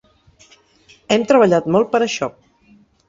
Hem treballat molt per això.